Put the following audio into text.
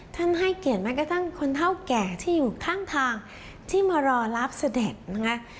ให้เกียรติแม้กระทั่งคนเท่าแก่ที่อยู่ข้างทางที่มารอรับเสด็จนะคะ